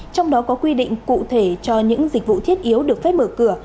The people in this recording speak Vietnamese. trong đó có quy định cụ thể cho những dịch vụ thiết yếu được phép mở cửa